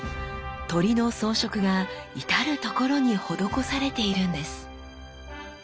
鳥の装飾が至る所に施されているんです。